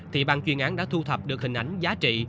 thì ban chuyên án đã thu thập được hình ảnh giá trị